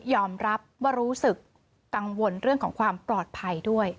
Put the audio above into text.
รับว่ารู้สึกกังวลเรื่องของความปลอดภัยด้วย